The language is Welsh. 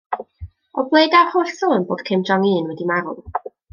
O ble daw'r holl sôn bod Kim Jong-un wedi marw?